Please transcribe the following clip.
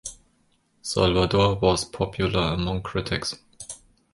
"Salvador" was popular among critics.